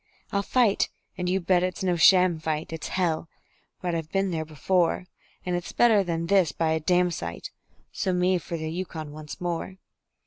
I'll fight and you bet it's no sham fight; It's hell! but I've been there before; And it's better than this by a damsite So me for the Yukon once more.